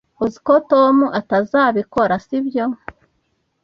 Uzi ko Tom atazabikora, sibyo?